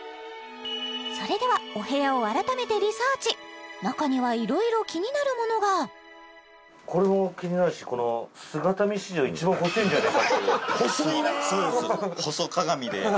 それではお部屋を改めてリサーチ中にはいろいろ気になるものがこれも気になるしこの細いなあ！